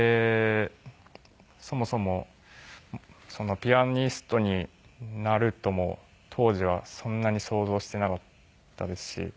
そもそもピアニストになるとも当時はそんなに想像していなかったですし。